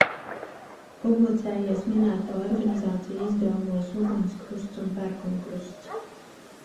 Publicējies minēto organizāciju izdevumos Ugunskrusts un Pērkonkrusts.